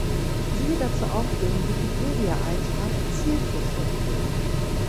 Siehe dazu auch den Wikipedia-Eintrag Zierfische.